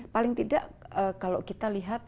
paling tidak kalau kita lihat